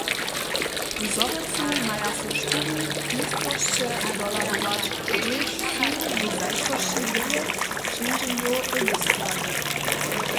W Zhorjelcu maja so štyri městnosće dohladować, hdźež su w zašłosći wjele přeńdźenjow registrowali.